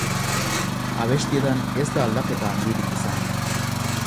Abestietan ez da aldaketa handirik izan.